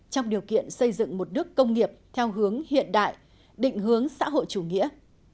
trong điều kiện xây dựng một nước công nghiệp theo hướng hiện đại định hướng xã hội chủ nghĩa